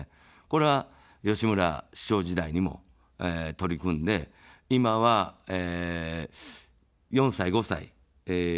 これは、吉村市長時代にも取り組んで、今は、４歳、５歳、幼児教育が